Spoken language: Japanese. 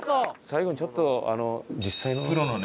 最後にちょっと実際の。